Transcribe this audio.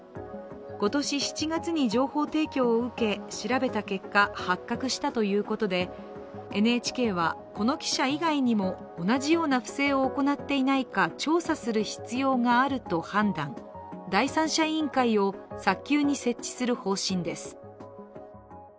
今年７月に情報提供を受け調べた結果発覚したということでＮＨＫはこの記者以外にも同じような不正を行っていないか調査する必要があると判断、第三者委員会を早急に設置する方針です。